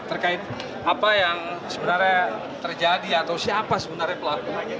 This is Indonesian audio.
terkait apa yang sebenarnya terjadi atau siapa sebenarnya pelaku